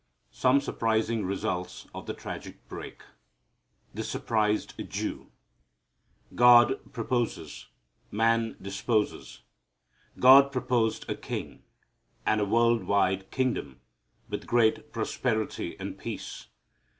Some Surprising Results of the Tragic Break The Surprised Jew. God proposes. Man disposes. God proposed a king, and a world wide kingdom with great prosperity and peace.